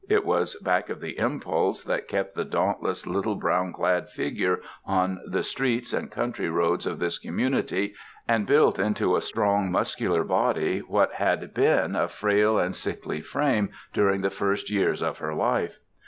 It was back of the impulse that kept the dauntless, little brown clad figure on the streets and country roads of this community and built into a strong, muscular body what had been a frail and sickly frame during the first years of her life.